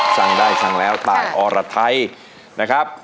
ฟังได้ฟังแล้วตายอรไทยนะครับ